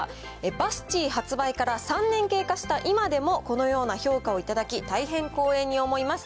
バスチー発売から３年経過した今でもこのような評価を頂き、大変光栄に思います。